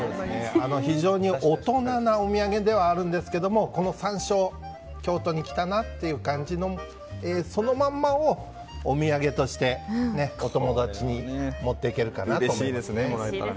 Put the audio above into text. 非常に大人なお土産はあるんですがこの山椒京都に来たなという感じのそのままをお土産としてお友達に持っていけるかなと思います。